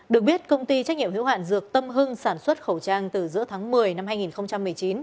được biết công ty trách nhiệm hữu hạn dược tâm hưng sản xuất khẩu trang từ giữa tháng một mươi năm hai nghìn một mươi chín